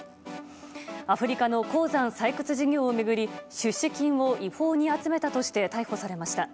アフリカの鉱山採掘事業を巡り出資金を違法に集めたとして逮捕されました。